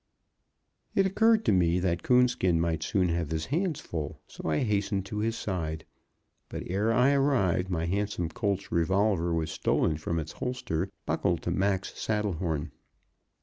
It occurred to me that Coonskin might soon have his hands full, so I hastened to his side. But, ere I arrived my handsome Colt's revolver was stolen from its holster, buckled to Mac's saddle horn.